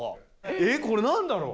えっこれ何だろう？